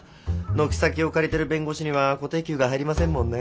軒先を借りてる弁護士には固定給が入りませんもんね。